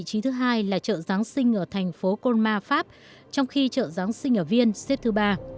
trí thứ hai là trợ giáng sinh ở thành phố colmar pháp trong khi trợ giáng sinh ở vienne xếp thứ ba